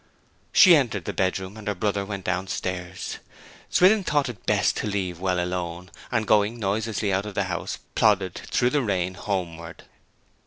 She entered the bedroom, and her brother went downstairs. Swithin thought it best to leave well alone, and going noiselessly out of the house plodded through the rain homeward.